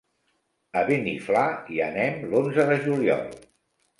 A Beniflà hi anem l'onze de juliol.